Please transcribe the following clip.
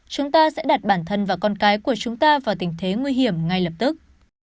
chúng ta sẽ đặt bản thân và con cái của chúng ta vào tình thế nguy hiểm ngay lập tức